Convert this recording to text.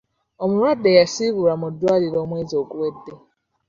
"Omulwadde yasiibulwa mu ddwaliro omwezi oguwedde.